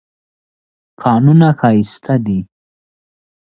کانونه ښایسته دي.